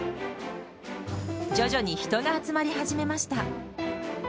徐々に人が集まり始めました。